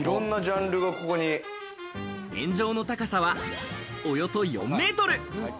天井の高さはおよそ４ｍ。